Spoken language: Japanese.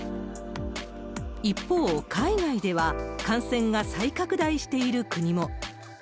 一方、海外では感染が再拡大している国も。